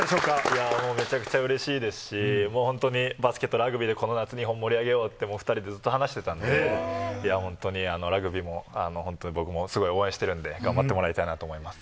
めちゃくちゃうれしいですし、本当にバスケット、ラグビーでこの夏、日本を盛り上げようって、２人でずっと話してたんで、いや、本当に、ラグビーも本当に僕もすごい応援してるんで、頑張ってもらいたいなと思います。